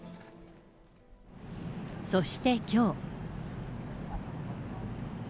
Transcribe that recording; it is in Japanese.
そして、きょう。